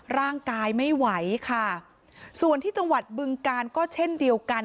ร่างกายไม่ไหวค่ะส่วนที่จังหวัดบึงกาลก็เช่นเดียวกัน